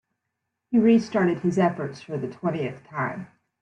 He restarted his efforts for the twentieth time.